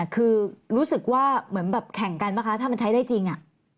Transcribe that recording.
คือรู้สึกว่าเหมือนแบบแข่งกันป่ะคะถ้ามันใช้ได้จริง